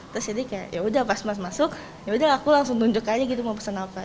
terus jadi kayak yaudah pas pas masuk yaudah aku langsung nunjuk aja gitu mau pesen apa